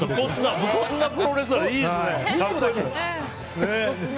無骨なプロレスラーいいですね。